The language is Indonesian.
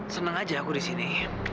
seneng aja aku disini